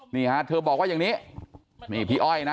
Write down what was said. นี่ฮะเธอบอกว่าอย่างนี้นี่พี่อ้อยนะ